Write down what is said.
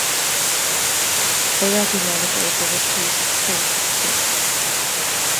They regularly gave the refuse of food to the pigs.